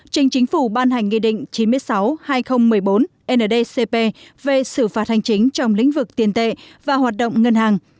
trình chính phủ ban hành nghị định chín mươi sáu hai nghìn một mươi bốn ndcp về xử phạt hành chính trong lĩnh vực tiền tệ và hoạt động ngân hàng